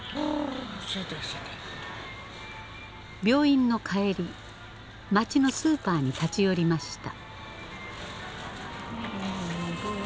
病院の帰り町のスーパーに立ち寄りました。